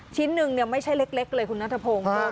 ชิ้นหนึ่งไม่ใช่เล็กเลยคุณนัทพงศ์